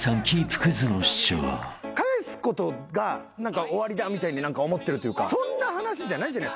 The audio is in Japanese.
返すことが終わりだみたいに思ってるというかそんな話じゃないじゃないですか。